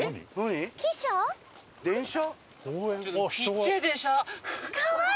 電車？